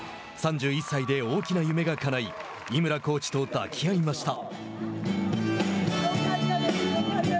３１歳で大きな夢がかない井村コーチと抱き合いました。